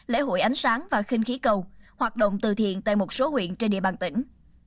lễ hội ánh sáng và khinh khí cầu hoạt động từ thiện tại một số huyện trên địa bàn tỉnh